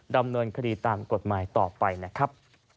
ดำเนินคดีตามกฎหมายต่อไปนะครับ